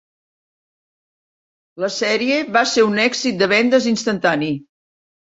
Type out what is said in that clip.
La sèrie va ser un èxit de vendes instantani.